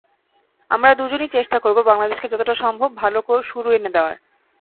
আমরা দুজনই চেষ্টা করব বাংলাদেশকে যতটা সম্ভব ভালো শুরু এনে দেওয়ার।